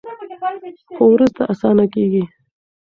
خو وروسته اسانه کیږي.